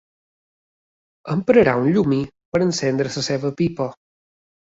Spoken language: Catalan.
Emprarà un llumí per encendre la seva pipa.